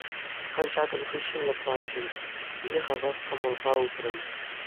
Хӗр ҫакӑн хыҫҫӑн лӑпланчӗ, киле хавас кӑмӑлпа утрӗ.